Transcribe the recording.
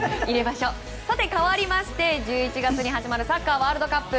さて、かわりまして１１月に始まるサッカーワールドカップ。